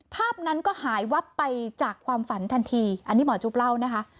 ภาพนั้นก็หายวับไปจากความฝันทันทีอันนี้หมอจุ๊บเล่านะคะ